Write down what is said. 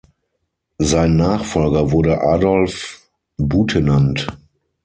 Sein Nachfolger wurde Adolf Butenandt.